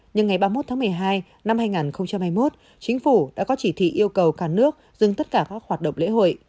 nhưng ngày ba mươi một tháng một mươi hai năm hai nghìn hai mươi một chính phủ đã có chỉ thị yêu cầu cả nước dừng tất cả các hoạt động lễ hội